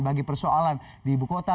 bagi persoalan di ibu kota